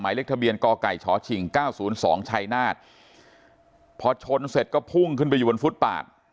หมายเลขทะเบียนกไก่ชชิง๙๐๒ชัยนาธพอชนเสร็จก็พุ่งขึ้นไปอยู่บนฟุตปาก